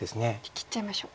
切っちゃいましょう。